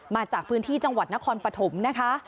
มาจากพื้นที่จังหวัดนครปฐมนะคะ